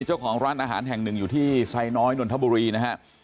เจ้าของร้านอาหารแห่งหนึ่งอยู่ที่ไซน้อยนนทบุรีนะฮะ